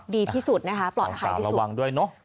ดีที่สุดปลอดภัยที่สุด